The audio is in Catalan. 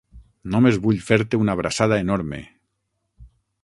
Només vull fer-te una abraçada enorme!